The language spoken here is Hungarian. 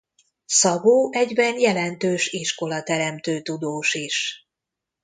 Szabó egyben jelentős iskolateremtő tudós is.